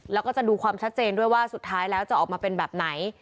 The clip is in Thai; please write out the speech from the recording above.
แล้วก็จะดูความชัดเจนด้วยว่าสุดท้ายแล้วจะออกมาเป็นแบบไหน